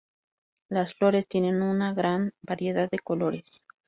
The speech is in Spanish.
Las flores tiene una gran variedad de colores.